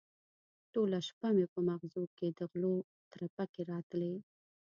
ټوله شپه مې په مغزو کې د غلو ترپکې راتلې.